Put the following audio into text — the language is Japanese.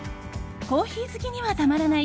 コーヒー好きにはたまらない！